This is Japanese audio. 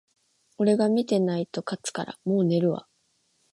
俺が見てないと勝つから、もう寝るわ